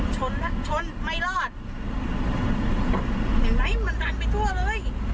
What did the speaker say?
ชนละชนไม่รอดเห็นไหมมันดันไปทั่วเลย